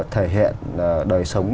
thời hiện đời sống